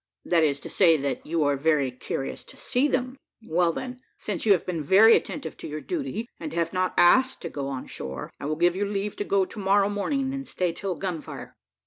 "That is to say, that you are very curious to see them. Well, then, since you have been very attentive to your duty, and have not asked to go on shore, I will give you leave to go to morrow morning and stay till gun fire."